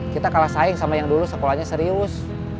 kita kalah saing sama yang dulu sekolahnya serius